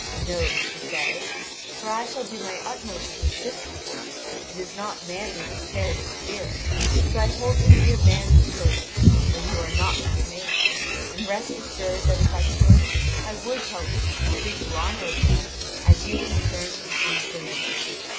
"No," she says, "for I shall do my utmost to assist you. It is not manly to cherish fear. So I hold you to be a man of courage, when you are not dismayed. And rest assured that if I could I would help you and treat you honourably, as you in turn would do for me.